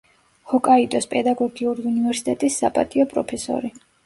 ჰოკაიდოს პედაგოგიური უნივერსიტეტის საპატიო პროფესორი.